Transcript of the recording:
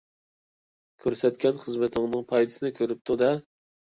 كۆرسەتكەن خىزمىتىنىڭ پايدىسىنى كۆرۈپتۇ-دە.